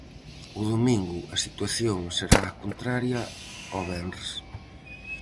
O domingo a situación será a contraria ao venres.